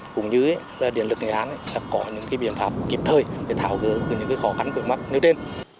cũng như điện lực nghệ hán có những biện pháp kịp thời để thảo gỡ những khó khăn vượt mắt nếu đến